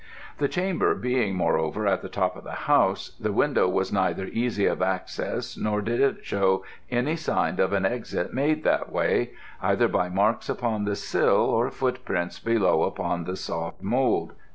The chamber being moreover at the top of the house, the window was neither easy of access nor did it show any sign of an exit made that way, either by marks upon the sill or footprints below upon soft mould."